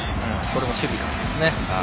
これも守備からですね。